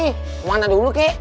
kemana dulu kek